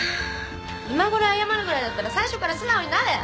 今ごろ謝るぐらいだったら最初から素直になれ。